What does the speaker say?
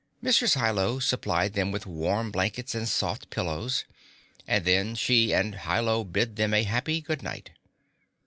Mrs. Hi Lo supplied them with warm blankets and soft pillows, and then she and Hi Lo bid them a happy good night.